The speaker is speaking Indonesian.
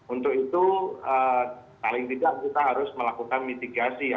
untuk itu paling tidak kita harus melakukan mitigasi ya